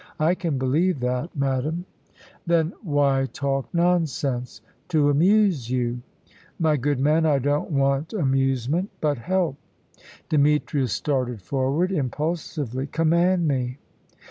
"I can believe that, madame." "Then why talk nonsense?" "To amuse you." "My good man, I don't want amusement, but help." Demetrius started forward, impulsively. "Command me."